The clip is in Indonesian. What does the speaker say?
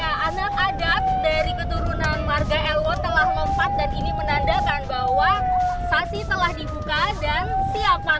ya anak adat dari keturunan warga elwod telah mempat dan ini menandakan bahwa sasi telah dibuka dan siap panen